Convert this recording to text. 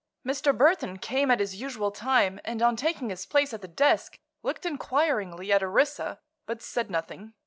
Mr. Burthon came at his usual time and on taking his place at the desk looked inquiringly at Orissa, but said nothing.